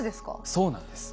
そうなんです。